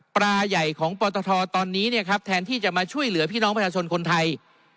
ปลาใหญ่ของปตทตอนนี้เนี่ยครับแทนที่จะมาช่วยเหลือพี่น้องประชาชนคนไทย